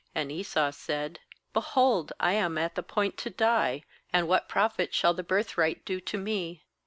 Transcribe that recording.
^And Esau said: 'Behold, I am at the point to die; and what profit shall the birthright do to me?'